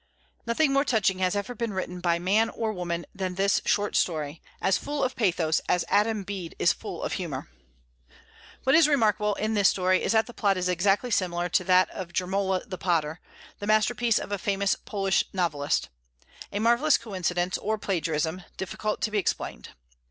Nothing more touching has ever been written by man or woman than this short story, as full of pathos as "Adam Bede" is full of humor. What is remarkable in this story is that the plot is exactly similar to that of "Jermola the Potter," the masterpiece of a famous Polish novelist, a marvellous coincidence, or plagiarism, difficult to be explained.